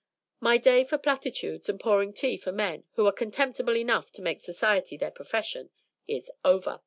My day for platitudes and pouring tea for men, who are contemptible enough to make Society their profession, is over.